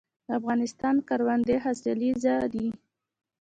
د افغانستان کروندې حاصلخیزه دي